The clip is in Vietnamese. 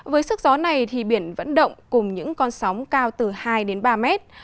với sức gió này biển vẫn động cùng những con sóng cao từ hai ba mét